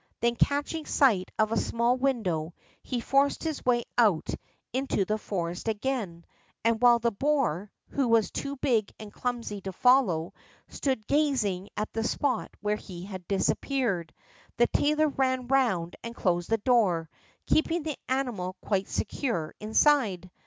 Then, catching sight of a small window, he forced his way out into the forest again, and while the boar, who was too big and clumsy to follow, stood gazing at the spot where he had disappeared, the tailor ran round and closed the door, keeping the animal quite secure inside.